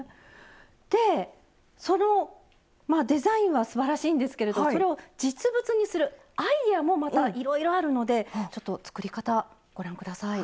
でそのデザインはすばらしいんですけれどそれを実物にするアイデアもまたいろいろあるのでちょっと作り方ご覧下さい。